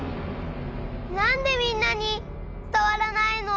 なんでみんなにつたわらないの！？